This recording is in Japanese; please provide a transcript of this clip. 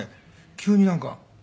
急になんか。